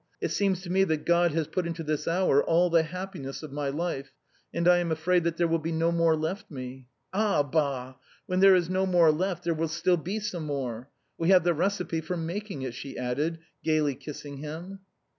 " It seems to me that God has put into this hour all the happi ness of my life, and I am afraid that there will be no more left me. Ah ! bah ! when there is no more left^ there will still be some more. We have the receipt for making it," she added, gaily kissing him.